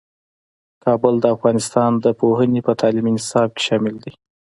کابل د افغانستان د پوهنې په تعلیمي نصاب کې شامل دی.